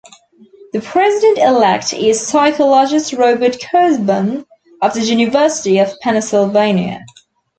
The president-elect is psychologist Robert Kurzban of the University of Pennsylvania.